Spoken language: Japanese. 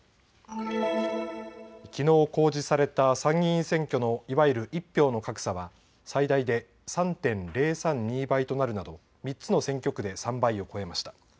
きのう公示された参議院選挙のいわゆる１票の格差は最大で３．０３２倍となるなど３つの選挙区で３倍を超えました。